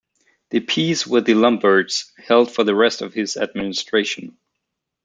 The peace with the Lombards held for the rest of his administration.